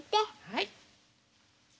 はい。